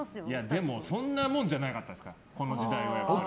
でもそんなもんじゃなかったですからこの時代は。